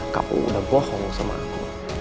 kamu udah bohong sama aku